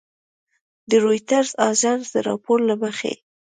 د رویټرز اژانس د راپور له مخې